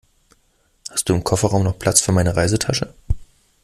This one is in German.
Hast du im Kofferraum noch Platz für meine Reisetasche?